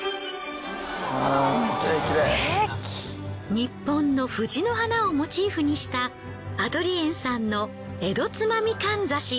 ニッポンの藤の花をモチーフにしたアドリエンさんの江戸つまみかんざし。